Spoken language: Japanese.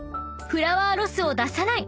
［フラワーロスを出さない